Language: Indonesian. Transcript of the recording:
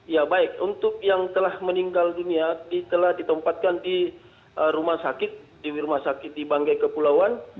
ya baik untuk yang telah meninggal dunia telah ditempatkan di rumah sakit di rumah sakit di banggai kepulauan